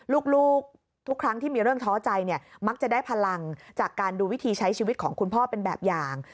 ลูกทุกครั้งที่มีเรื่องท้อใจเนี่ยมักจะได้พลังจากการดูวิธีใช้ชีวิตของคุณพ่อเป็นแบบอย่าง